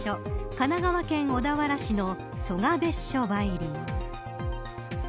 神奈川県小田原市の曽我別所梅林。